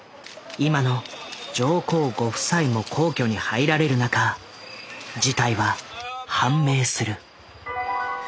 今の上皇ご夫妻も皇居に入られる中事態は判明する。